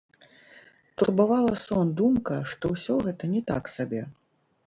Турбавала сон думка, што ўсё гэта не так сабе.